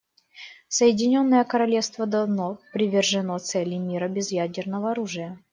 Соединенное Королевство давно привержено цели мира без ядерного оружия.